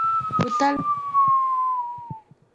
بوتل له چاپ سره ښکلي کېږي.